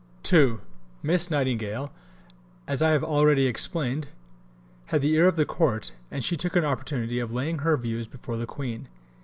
See above, p. 273. II Miss Nightingale, as I have already explained (p. 215), had the ear of the Court, and she took an opportunity of laying her views before the Queen.